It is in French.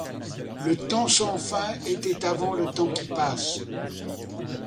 Le temps sans fin était avant le temps qui passe ;